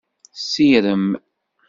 Sirem.